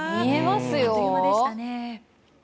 あっという間でしたね。